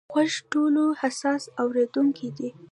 غوږ ټولو حساس اورېدونکی دی.